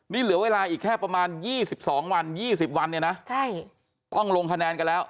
นี่เหลือเวลาอีกแค่ประมาณ๒๒วัน๒๐วันเนี่ยนะต้องลงคะแนนกันแล้ว